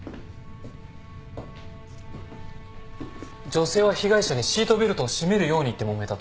女性は被害者にシートベルトを締めるように言ってもめたと。